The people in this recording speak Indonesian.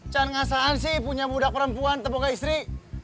jangan ngasahan sih punya budak perempuan tebong gak istri